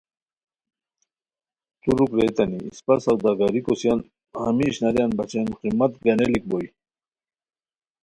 ترک ریتانی اِسپہ سوداگری کوسیان ہمی اشناریان بچین قیمت گانیلیک بوئے